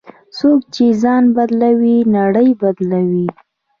څوک چې ځان بدلوي، نړۍ بدلوي.